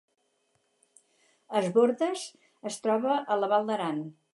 Es Bòrdes es troba a la Val d’Aran